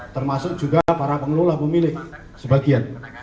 termasuk juga para pengelola pemilik sebagian